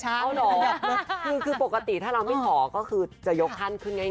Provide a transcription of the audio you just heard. คือปกติถ้าเราไม่ขอก็คือจะยกท่านขึ้นง่าย